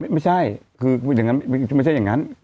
ไม่ใช่คือไม่ใช่อย่างนั้น